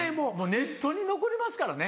ネットに残りますからね。